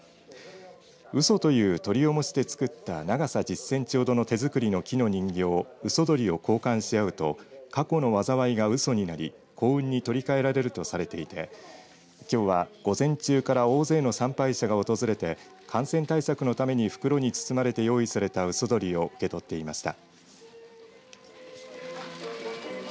うそという鳥を模して作った長さ１０センチほどの手作りの木の人形うそ鳥を交換し合うと過去の災いがうそになり幸運に取り替えられるとされていてきょうは午前中から大勢の参拝者が訪れて感染対策のために袋に包まれて用意されたうそ鳥を受け取っていました。